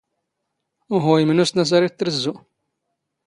ⵓⵀⵓ ⵉⵎⵏⵓⵙⵏ ⴰ ⵙ ⴰⵔ ⵉⵜⵜⵔⵣⵣⵓ.